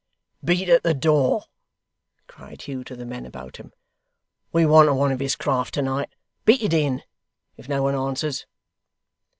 'Beat at the door,' cried Hugh to the men about him. 'We want one of his craft to night. Beat it in, if no one answers.